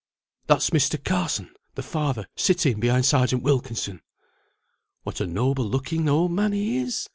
"That's Mr. Carson, the father, sitting behind Serjeant Wilkinson!" "What a noble looking old man he is!